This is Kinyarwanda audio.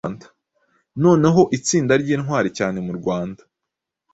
Noneho itsinda ryintwari cyane murwanda